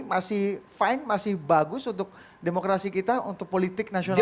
masih fine masih bagus untuk demokrasi kita untuk politik nasional